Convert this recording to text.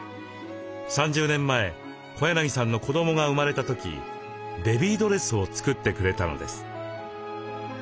３０年前小柳さんの子どもが生まれた時ベビードレスを作ってくれたのです。